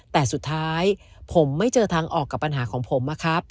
แต่สุดท้ายผมไม่เจอทางออกกับปัญหาของผมนะครับ